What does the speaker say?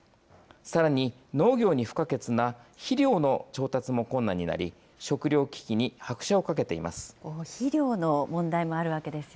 さらに農業に不可欠な肥料の調達も困難になり、食糧危機に拍車をかけています。